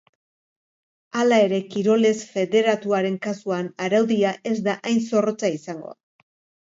Hala ere, kirol ez-federatuaren kasuan araudia ez da hain zorrotza izango.